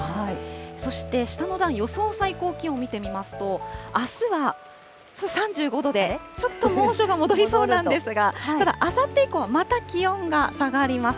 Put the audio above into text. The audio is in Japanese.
そして下の段、予想最高気温を見てみますと、あすは３５度で、ちょっと猛暑が戻りそうなんですが、ただ、あさって以降はまた気温が下がります。